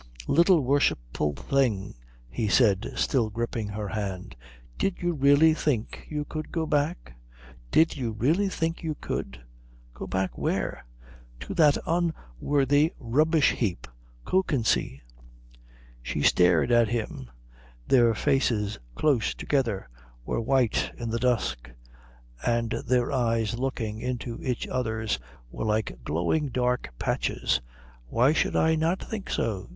"Little worshipful thing," he said, still gripping her hand, "did you really think you could go back? Did you really think you could?" "Go back where?" "To that unworthy rubbish heap, Kökensee?" She stared at him. Their faces, close together, were white in the dusk, and their eyes looking into each other's were like glowing dark patches. "Why should I not think so?"